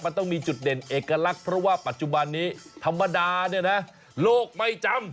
มันต้องมีจุดเด่นเอกลักษณ์เพราะว่าปัจจุบันนี้ธรรมดาเนี่ยนะโลกไม่จำ